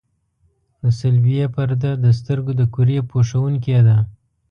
د صلبیې پرده د سترګو د کرې پوښوونکې ده.